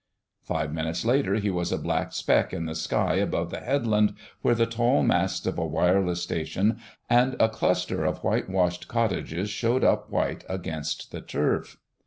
Five minutes later he was a black speck in the sky above the headland where the tall masts of a Wireless Station and a cluster of whitewashed cottages showed up white against the turf.